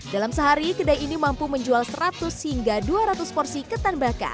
dalam sehari kedai ini mampu menjual seratus hingga dua ratus porsi ketan bakar